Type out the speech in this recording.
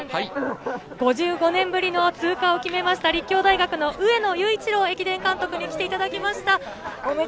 ５５年ぶりの通過を決めました立教大学の上野裕一郎駅伝監督に来ていただきました。